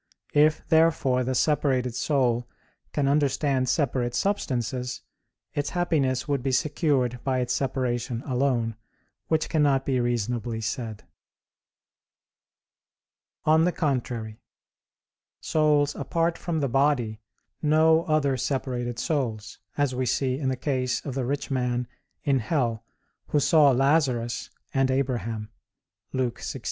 If, therefore, the separated soul can understand separate substances, its happiness would be secured by its separation alone; which cannot be reasonably be said. On the contrary, Souls apart from the body know other separated souls; as we see in the case of the rich man in hell, who saw Lazarus and Abraham (Luke 16:23).